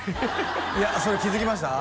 いやそれ気づきました？